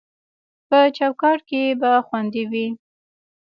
په چوکاټ کې به خوندي وي